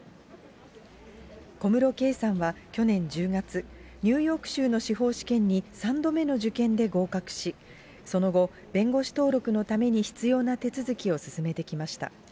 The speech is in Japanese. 小室圭さんは去年１０月、ニューヨーク州の司法試験に３度目の受験で合格し、その後、弁護士登録のために必要な手続きを進めてきました。